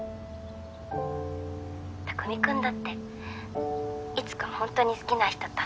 匠君だっていつかほんとに好きな人と。